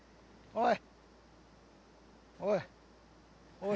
おい！